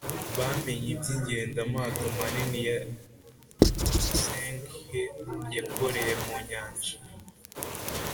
bamenye iby ingendo amato manini ya Zheng He yakoreye mu nyanja